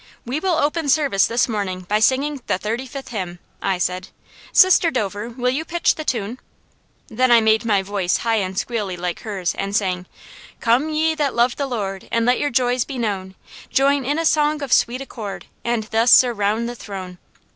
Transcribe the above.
"We will open service this morning by singing the thirty fifth hymn," I said. "Sister Dover, will you pitch the tune?" Then I made my voice high and squeally like hers and sang: "Come ye that love the Lord, And let your joys be known, Join in a song of sweet accord, And thus surround the throne."